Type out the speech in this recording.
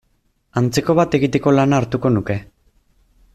Antzeko bat egiteko lana hartuko nuke.